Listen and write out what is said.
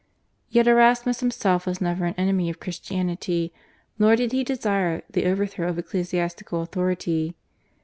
Yet Erasmus himself was never an enemy of Christianity, nor did he desire the overthrow of ecclesiastical authority.